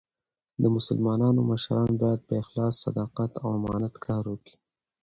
د مسلمانانو مشران باید په اخلاص، صداقت او امانت کار وکي.